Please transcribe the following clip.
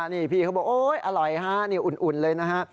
นี่พี่เขาบอกโอ๊ยอร่อยฮะนี่อุ่นเลยนะฮะ